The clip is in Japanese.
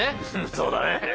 そうだね。